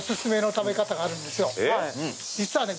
実はね。